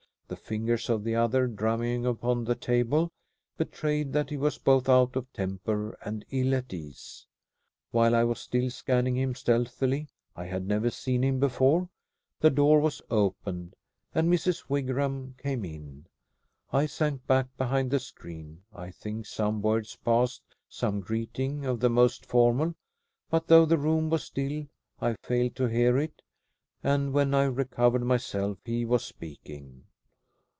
The fingers of the other, drumming upon the table, betrayed that he was both out of temper and ill at ease. While I was still scanning him stealthily I had never seen him before the door was opened, and Mrs. Wigram came in. I sank back behind the screen. I think some words passed, some greeting of the most formal, but though the room was still, I failed to hear it, and when I recovered myself he was speaking.